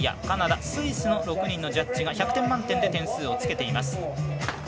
カナダ、スイスの６人のジャッジが１００点満点で点数をつけています。